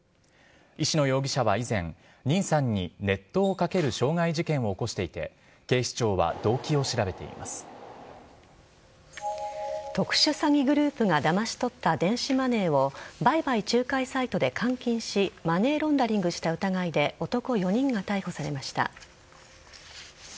石野容疑者は以前任さんに熱湯をかける傷害事件を起こしていて特殊詐欺グループがだまし取った電子マネーを売買仲介サイトで換金しマネーロンダリングした疑いで男４人が逮捕されました。